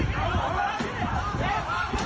สวัสดีครับ